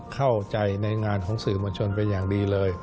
เข้าใจในงานของสื่อมวลชนเป็นอย่างดีเลย